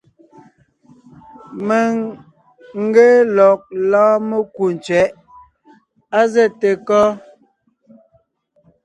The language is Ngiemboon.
Mèŋ n ge lɔg lɔ́ɔn mekú tsẅɛ̌ʼ. Á zɛ́te kɔ́?